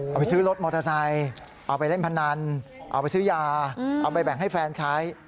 เอาไปซื้อรถมอเตอร์ไซค์เอาไปเล่นพนันเอาไปซื้อยาเอาไปแบ่งให้แฟนใช้